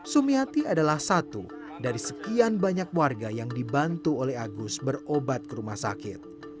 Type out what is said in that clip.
sumiati adalah satu dari sekian banyak warga yang dibantu oleh agus berobatan